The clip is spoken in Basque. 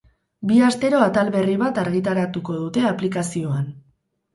Bi astero atal berri bat argitaratuko dute aplikazioan.